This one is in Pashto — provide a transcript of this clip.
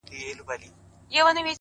• ماشومانو په ځیر ځیر ورته کتله ,